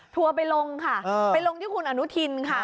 ทัวร์ไปลงค่ะไปลงที่คุณอนุทินค่ะ